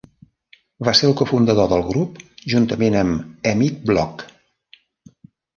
Va ser el cofundador del grup juntament amb Emit Bloch.